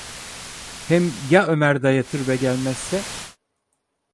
Hem ya Ömer dayatır ve gelmezse?